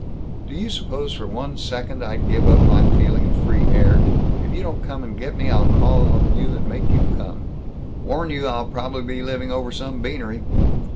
"Do you suppose for one second I'd give up my feeling of free air? If you don't come and get me, I'll call on you and make you come!" "Warn you I'll probably be living over some beanery."